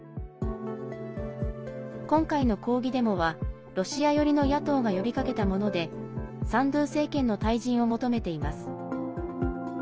今回の抗議デモは、ロシア寄りの野党が呼びかけたものでサンドゥ政権の退陣を求めています。